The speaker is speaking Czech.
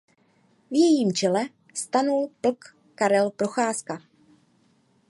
V jejím čele stanul plk. Karel Procházka.